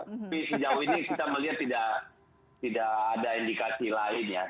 tapi sejauh ini kita melihat tidak ada indikasi lain ya